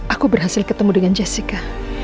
aku berhasil ketemu dengan jessica